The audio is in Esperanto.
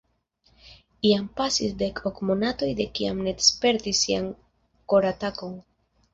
Jam pasis dek ok monatoj de kiam Ned spertis sian koratakon.